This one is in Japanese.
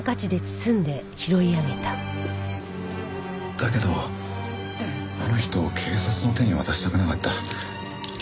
だけどあの人を警察の手に渡したくなかった。